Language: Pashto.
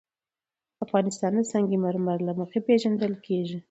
افغانستان د سنگ مرمر له مخې پېژندل کېږي.